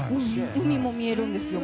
海も見えるんですよ。